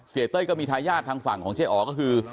เต้ยก็มีทายาททางฝั่งของเจ๊อ๋อก็คือ